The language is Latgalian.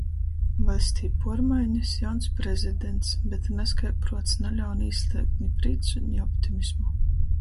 Vaļstī puormainis, jauns prezidents, bet nazkai pruots naļaun īslēgt ni prīcu, ni optimismu.